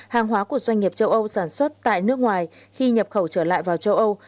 hàng hóa của doanh nghiệp châu âu sản xuất tại nước ngoài khi nhập khẩu trở lại vào châu âu